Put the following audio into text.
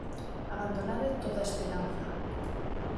Abandonade toda esperanza.